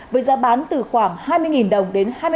với giá bán từ khoảng hai mươi đồng